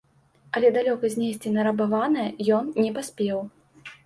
Але далёка знесці нарабаванае ён не паспеў.